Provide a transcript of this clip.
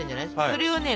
それをね